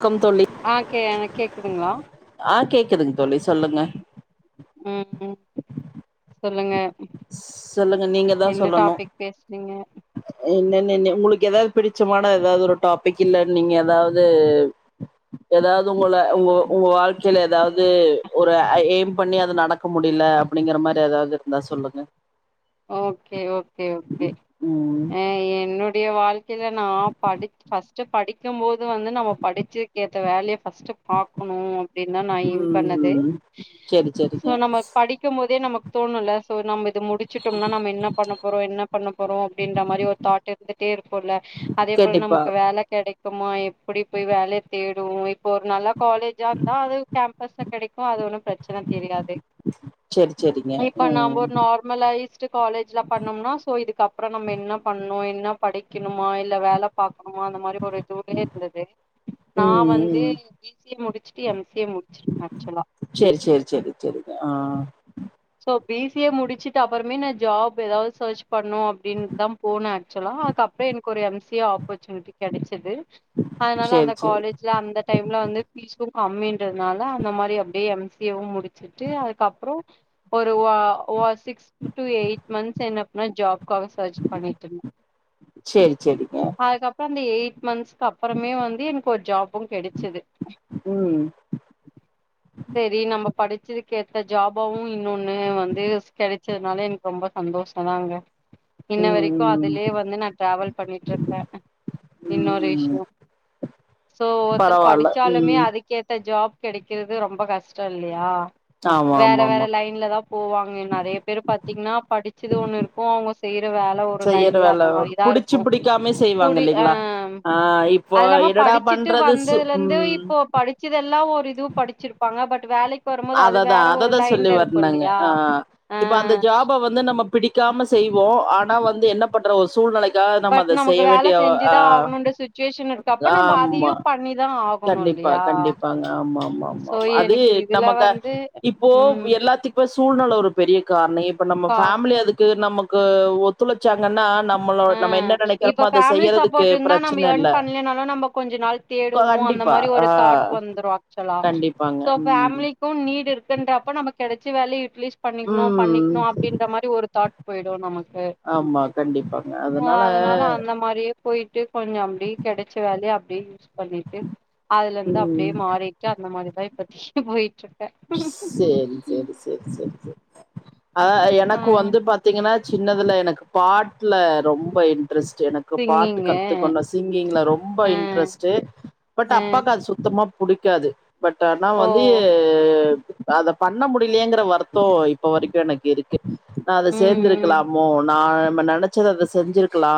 க்கம் தோழி ஆ கே ஆ கேக்குதுங்களா ஆ கேக்குதுங்க தோழி சொல்லுங்க ம் ம் சொல்லுங்க சொல்லுங்க நீங்க தா என்ன சொல்லணு டாபிக் பேசுறீங்க என்னென்னனு உங்களுக்கு ஏதாவது பிடிச்சமான ஏதாவது ஒரு டாபிக் இல்ல நீங்க ஏதாவது ஏதாவது உங்கள அ உங்க உங்க வாழ்க்கையில ஏதாவது ஒரு அ ஏம் பண்ணி அத நடக்க முடில அப்டிங்கற மாரி ஏ தாது இருந்தா சொல்லுங்க ஓகே ஓகே ஓகே ம் ஆ என்னோ டைய வாழ்க்கையில நா படிக் ஃபஸ்ட்டு படிக்கும் போது வந்து நம்ம படிச்சக்கேத்த வேலைய ஃபஸ்ட்டு பாக்கணு அப்டின்தா நா ஏம் பண்ணது ம் செரி சோ செரிங்க நம்ம படிக்கும் போதே நமக் தோணுல சோ நம்ம இது முடிச்சுட்டோம்னா நம்ம என்ன பண்ண போறோ என்ன பண்ண போறோ அப்டின்ற மாரி ஒரு தாட் இருந்துட்டே இருக்குல்ல அதே போல கண்டிப்பா நமக்கு வேல கெடைக் குமா எப்படி போய் வேலைய தேடுவோ இப்போ ஒரு நல்லா காலேஜா இருந்தா அது கேம்பஸ்ல கெடைச்சா அது ஒன்னு பிரச்சன தெரியாது செரி செரிங்க இப்ப நம்ப ம் ஒரு நார்மலாய் காலேஜ்ல பண்ணனோம்னா சோ இதுக்கு அப்புறோ நம்ம என்ன பண்ணு என்ன படிக்கணுமா இல்ல வேல பாக்கணுமா அந்த மாரி ஒரு இதூலேயே இருந்தது ம் நா வந்து ம் பி சி ஏ முடிச்சுட்டு எம் சி ஏ முடிச்சுருக்கே ஆக்சுவலா செரி செரி செரிங்க ஆ இப்போ பி சி ஏ முடிச்சுட்டு அப்புறமே நா ஜாப் ஏதாவது சர்ச் பண்ணு அப்டின்னுதா போனே ஆக்சுவலா அப் புறோ எனக்கு ஒரு எம் சி ஏ ஆப்பர்ச்சுனிட்டி கெடைச்சுது ம் அதனால அந்த காலேஜ்ல அந்த டைம்ல வந்து ஃபீஸு கம்மின்றதுனால அந்த மாரி அப்டியே எம் சி ஏவு முடிச்சுட்டு அதுக்கப்புறோ ஒரு வ வா சிக்ஸ் டு எயிட் மந்த்ஸ் என்ன பண்ணே ஜாப்காக சர்ச் பண்ணிட்ருந்தே செரி செரிங்க அதுக்கப்புறோ அந்த எயிட் மந்ஸ்க்கு அப்புறமே வந்து எனக்கு ஒரு ஜாபு கெடச்சுது ம் செரி நம்ம படிச்சதுக்கு ஏத்த ஜாபாவு இன்னொன்னு வந்து எஸ் கெடைச்சதுனால எனக்கு ரொம்ப சந்தோஷோ தாங்க இன்ன வரைக்கு ம் ம் அதுலயே வந்து நா ட்ராவல் பண்ணிட்டு இருக்கே ம் இன்னொரு ம் விஷயோ சோ ஒருத்தர் பரவால்ல படிச்சாலுமே ம் அதுக்கேத்த ஜாப் கெடைக்கிறது ரொம்ப கஷ்டோ இல்லையா ஆமா வேற ஆமா வேற ஆமா லைன்ல தா போவாங்க நெறைய பேர் பாத்தீங்கன்னா படிச்சது ஒண்ணு இருக்கு அவங்க செய்ய ற வேல ஒரு செய்யற லைன்ல வேல அந்த மாரி தா புடிச்சு இருக்கு புடிக்காமே செய்வாங்க கூடி ஆ இல்லைங்களா ஆ இப்போ அது இல்லாம ப என்னடா டிச்சுட்டு பண்றது சு வந்ததுல இருந்து ம் இப்போ படிச்சதெல்லா ஒரு இது படிச்சிருப்பாங்க பட் வேலைக் கு வரும்போது அது வேற ஒரு லைன்ல இரு நாங்க ஆ இப்ப அந்த ஜாப வந்து நம்ம பி டிக்காம செய்வோ ஆனா வந்து என்ன பண்றது ஒரு சூழ்நிலைக் கா நம்ம பட் அத நமக்கு செய்ய வேல வேண்டிய ஆ செஞ்சுதா ஆகணுன்ற சுச்சுவேஷன் இருக்கப்ப நம்ம ஆமா அதையு பண்ணிதா ஆகணு கண்டிப் ப்பா இல்லையா கண்டிப்பாங்க ஆமா ஆமா ஆமா சோ ஆ அது எனக்கு இதுல நமக்கு வந்து இப்போ ம் எல்லாத்துக்குமே சூழ்நல ஒரு பெரிய காரணம் இப்போ நம்ம பார ஃபேமிலி அதுக்கு நமக்கு ஒத்துழைச்சாங்கன்னா நம்மளோ நம்ம ம் என்ன இப்ப நெனைக்கிறோமோ அத ஃபேமிலி செய்யறதுக்கு சப்போர்ட் இருந்தா நம்ம பிரச்சன ஏர்ன் இல்ல. பண்ணலனாலும் நம்ம கொஞ்சோ நாள் தேடுவோம் அந்த கண்டிப்பா. மாரி ஆ ஒரு தாட் வந்துரு ஆக்சுவலா கண்டிப்பாங்க. சோ ம். ஃபேமிலி கு நீடு இருக்குன்றப்ப நம்ம கிடைச்சி வேலய யுட்லீஸ் பண்ணிக்கணு ம். பண்ணிக்கணு அப்படின்ற மாரி ஒரு தாட் போயிடு நமக் ஆமா கண்டிப்பா ஓ அதனால அந்த மாரியே போயிட்டு கொஞ்சோ அப்படியே கடைச்ச வேலைய அப்படிய யுஸ் பண்ணிட்டு அதுலந்து அப்படியே ம். மாறிட்டு அந்த மாரிதா இப்பத்திகு போயிட்டு இரு செரி செரி செரி செரி செ ஆ ஆ எனக்கு வந்து பாத்தீங்கன்னா சின்னதுல எனக்கு பாடல ரொம்ப இன் ட்ரெஸ்ட் எனக்கு பாட்டு சிங்கிங்கு கத்துக்கணும் சிங்கிங்ல ரொம்ப ஆ இன்ட்ரெஸ்ட் பட் ஆ அப்பாக்கு அது சுத்தமா புடிக்காது பட் ஆனா ஓ வந்து அத பண்ண முடியலங்கற வருத்தம் இப்ப வரைக்கும் எனக்கு இருக்கு ந அத ம் ம் சேந்திருக்கலாமோ நா நம்ம நினைச்சத அத செஞ்சிருக்கலா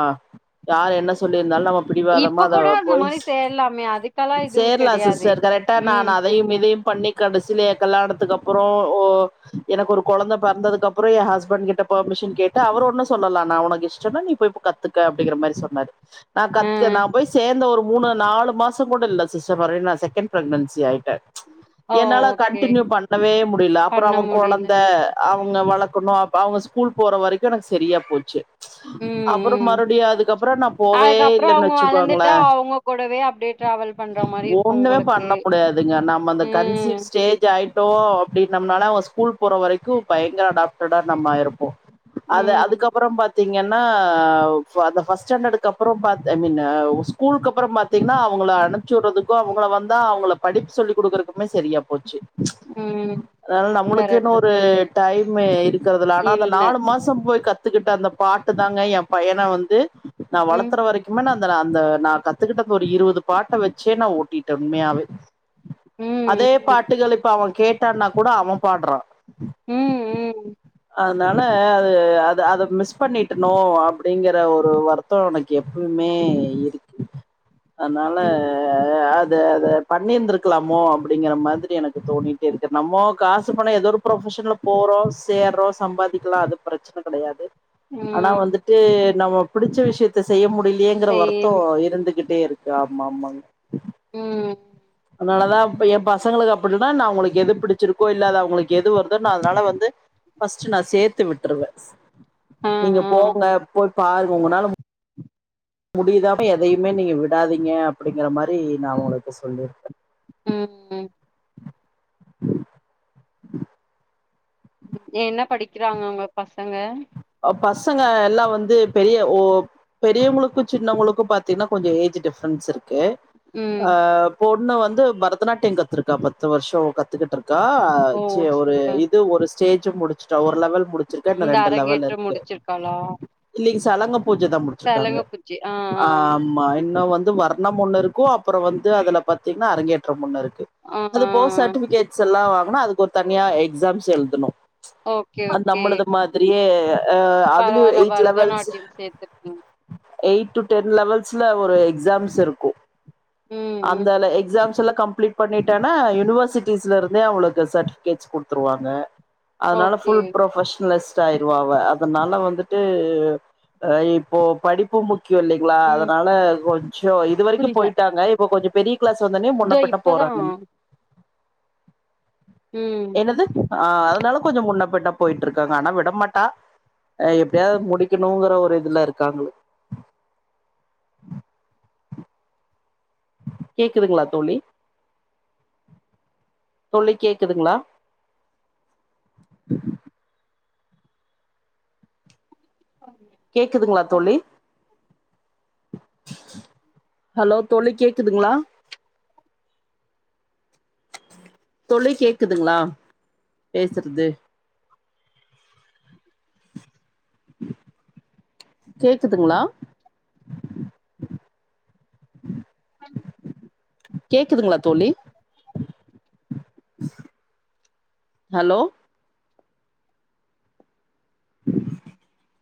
யார் என்ன சொல்லிருந்தாலும் நம்ம இப்ப பிடிவாதமா கூட அந்த போய் மாரி செய்யலாமே அதுக்கெல்லா இதுவு சேரலா கெடையாதே சிஸ்டர் கரெக்டா நா ம் அதையும் இதையும் பண்ணி கடைசி லே கல்யாணத்துக்கு அப்ரோ ஓ எனக்கு ஒரு குழந்த பெறந்தது அப்ரோ எ ஹஸ்பண்ட் கிட்ட பெர்மிஷன் கேட்டு டா அவர் ஒண்ணு சொல்லலா நா உனக்கு இஷ்டம்ன்னா நீ போய் கத்துக்க அப்படிங்கிற மாரி சொன்னாரு நான் ஆ கத்து நான் போய் சேர்ந்த ஒரு மூணு நாலு மாசோ கூட இல்ல சிஸ் மருடி நா செகண்ட் பிரெக்னன்சி ஆயிட்ட ஓ என்னால ஓகே கண்டடினியூ பண்ணவே முடியல அப்ரோ பண்ண அவ முடியல குழந்த அவங் ல வளக்கணு ப அவங்க ஸ்கூல் போற வரைக்கு எனக்கு சரியா போச்சு ம் அப்ரோ ம் மறுபடியு அதுக்கப்ரோ நா போவே அதுக்கப்புறோ இல்லன்னு அவங்க வளந்துட்டா வச்சுக்கோங்களே அவங்க கூடவே அப்டியே டிராவல் பண்ற மாரி இருக்கு ஒண்ணுமே உங்களுக்கு பண்ண முடியாதுங்க நம்ம அந்த ம் கன்சிவ் ஸ்டேஜ் ஆயிட்டோ அப்படிம்னால ஸ்கூல் போற வரைக் கு பயங்கர அடாப்டடா நம்ம இருப்போ அது ம் அதுக்கப்ரோ பாத்தீங்கன்னா அ ஃபர்ஸ்ட் ஸ்டாண்டர்டுக்கு அப்ரோ பாத்து ஐ மீன் ஸ்கூலுக்கு அப்ரோ பாத்தீங்கன்னா அவங்கள அமைச்சுவிடறதுக்கு அவ வந்தா அவங்கள படிப்பு சொல்லி் கொடுக்கறக் மே சரியா போச்சு ம் அதாது நம்மளுக்குன்ன கரெக்ட் தா ஒரு டைம் இருக் கறதுல ஆனா அந்த இல்ல நாலு மாசம் போய் கத்துக்கிட்ட அந்த பாட்டு தாங்க என் பையன வந்து நா ம் வளதுற வரைக்குமேந் அந்த நா கத்துக்கிட்டது ஒரு இருவது பாட்ட வச்சே நா ஓட்டிட்ட உண்மையாவே அதே ம் பாட்டுகள் இப்ப அவ கேட்டான்னா கூட அவ பாடுறான் ம் ம் ம் அ அதால அது அத மிஸ் பண்ணட்டநோ அப்படிங்கற ஒரு வருத்தோ எனக்கு எப்புமே எ இருக்கு அனால ம் அது அத பண்ணிருந்திருக்கலாமோ அப்படிங்கிற மாதிரி எனக்கு தோணட்ட இருக்க நம்ம காசு பண ஏதோ ஒரு ப்ரொபஷன்ல போறோம் சேரோ சம்பாதி பாதிக்கலாம் அது பிரச்சன கிடையாது ஆனா ம் வந்துட்டு நம்ம பிடிச்ச விஷயத்த செய்ய முடியலையேங்கிற சேம் வருத்தம் இருந்துகிட்டே இருக்கு காமமாங்க உம் அனாலதா இப்ப என் பசங்களுக்கு அப்படின்னா நான் உங்களுக்கு எது பிடிச்சிருக்கோ இல்லாத அவங்களுக்கு எது வருதோ நா அதனால வந்து பஸ்ட்ட் நா சேத்து விட்டுருவ ஆ நீங்க ஆ போங்க போய் பாருங்க உங்களனால முடியுதாக எதையுமே நீங்க விடாதீங்க அப்டிங்கற மாரி நா உங்கள்ட்ட சொல்லிருக்கே ம் ம் என்ன படிக்கிறாங்க ஒங்க பசங்க பசங்க எல்லா வந்து பெரிய ஓ பெரியவ்ங்களுக்கு சின்னவங்களுக்கு பாத்தீனா கொஞ்ச ஏஜு டிஃப்ரென்ட் ஸ் இருக்கு ம் ஆ பொண்ணு வந்து பரதநாட்டியம் கத்துருக்கா பத்து வர்ஷ கத்துக்கிட்ருக் கா ஓ சோ ஒரு சூப்பர் இதுவு ஒரு ஸ்டேஜு முடிச்ட்டே ஒரு லெவல் முடிச்சிருக்கே இன்ன ரெண்டு லெவல் இருக் கு முடிச்சிட்டாளா இல்லைங்க சலங்க பூஜ தா முடிச்சிருக்காங்க ஆ ஆ் ஆமா இன்னு வந் து வர்ணம் ஒன்னு இருக்கு அப்பற வந்து அதுல பாத்தீங்னா அரங்கேற்றம் ஒன்னு இருக் கு ஆ ஆ அது ஆ போக சர்ட்டிஃபிகேட்ஸெல்லா வாங்க அதுக்கு ஒரு தனியா எக்ஸாம்ஸ் எழுதணு ஓகே அ ஓகே நம்மளுது மாதிரியே இப்ப அதுலே பரவால்ல எய்ட் லெவல்ஸு பரதநாட்டியம் சேத்துருக்கீங்க எய்ட்டு டென் லெவல்ஸ்ல ஒரு எக்ஸாம்ஸ் இருக்கு ம் அந்த ம் அதுல எக்ஸாம்ஸெல்லா கம்ப்ளீட் பண்ணிட்டேனா யூனிவர்சிட்டிஸ்ல இருந்தே அவ்ங்களுக்கு சர்டிஃபிகேட்ஸ் குடுத்துருவாங்க அதுனால ஓகே ஃபுல் ப்ரொஃபஷ்னலிஸ்ட் ஆயிருவாங்க அத் துனால வந்துட்டு அ இப்போ படிப்பு முக் கியமுங்ளா ம் அதனால கொஞ்சொ இது வரைக்கு புரில போயிட்டாங்க இப்ப கொஞ்ச பெரிய கிளாஸ் வந்தோனே இதோ முன்னப் பின்ன போற இப்பதா சாப்ணும் ம் என்னது ஆ அதுனால கொஞ்ச முன்னப்பின்ன போயிட்ருக்காங்க ஆனா விட மாட்டா அ எப்டியாவ்து முடிக்கணுங்கிற ஒரு இதுல இருக்காங்க கேக்குதுங்ளா தோழி தோழி கேக்குதுங்களா கேக்குதுங்களா தோழி ஹலோ தோழி கேக்குதுங்ளா தோழி கேக்குதுங்ளா பேசுறது கேக்குதுங்ளா கேக்குதுங்ளா தோழி ஹலோ [inaudible]